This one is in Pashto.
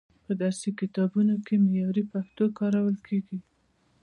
په درسي کتابونو کې معیاري پښتو کارول کیږي.